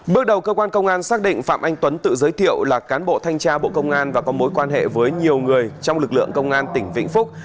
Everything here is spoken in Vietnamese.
bước đầu cơ quan công an xác định phạm anh tuấn tự giới thiệu là cán bộ thanh tra bộ công an và có mối quan hệ với nhiều người trong lực lượng công an tỉnh vĩnh phúc